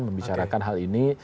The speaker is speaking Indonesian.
membicarakan hal ini